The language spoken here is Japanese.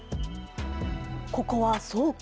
ここは倉庫？